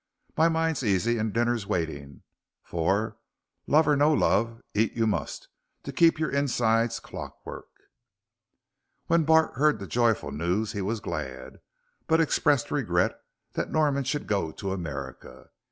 "My mind's easy and dinner's waiting, for, love or no love, eat you must, to keep your insides' clockwork." When Bart heard the joyful news he was glad, but expressed regret that Norman should go to America.